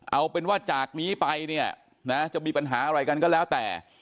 เอาเป็นว่าจากนี้ไปเนี่ยนะจะมีปัญหาอะไรกันก็แล้วแต่